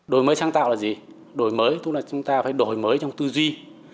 đổi mới sáng tạo là gì đổi mới tức là chúng ta phải đổi mới trong tư duy